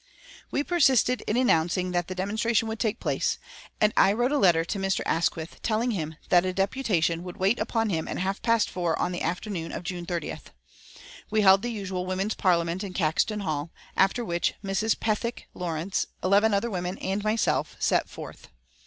We persisted in announcing that the demonstration would take place, and I wrote a letter to Mr. Asquith telling him that a deputation would wait upon him at half past four on the afternoon of June 30th. We held the usual Women's Parliament in Caxton Hall, after which Mrs. Pethick Lawrence, eleven other women, and myself, set forth.